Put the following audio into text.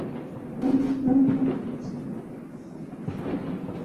ওর মূল্য আমার কাছে যতখানি, এমন আর কারো কাছে নয়।